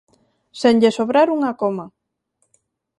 Sen lle sobrar unha coma.